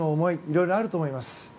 いろいろあると思います。